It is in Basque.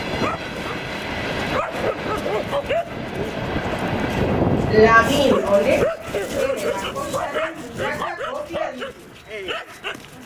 Lagin honek gene bakoitzaren milaka kopia ditu.